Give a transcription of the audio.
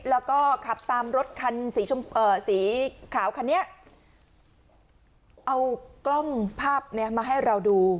แล้วก็ขับตามรถคันสีชมสีขาวคันนี้เอากล้องภาพนี้มาให้เราดู